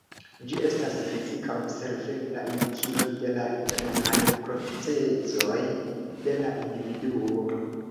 Ĝi estas fizika observebla indikilo de la internaj procezoj de la individuo.